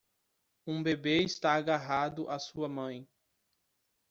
Um bebê está agarrado a sua mãe.